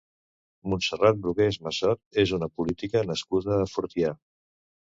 Montserrat Brugués Massot és una politica nascuda a Fortià.